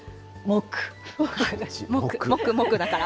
もくもくだから？